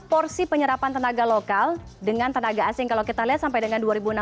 kementerian tenaga kerja asing mencapai satu ratus dua puluh enam orang